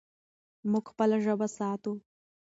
موږ خپله ژبه ساتو.